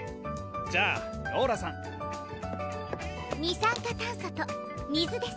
じゃあローラさん二酸化炭素と水です